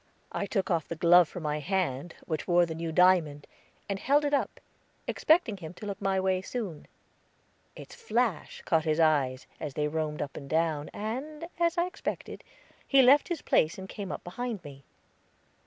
I took off the glove from my hand which wore the new diamond, and held it up, expecting him to look my way soon. Its flash caught his eyes, as they roamed up and down, and, as I expected, he left his place and came up behind me.